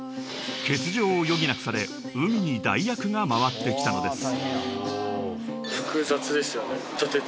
［欠場を余儀なくされＵＭＩに代役が回ってきたのです］